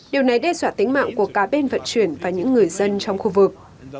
điều này đe dọa tính mạng của cả bên vận chuyển và những người dân trong khu vực